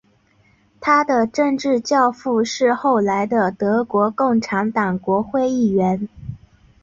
他的政治教父是后来的德国共产党国会议员。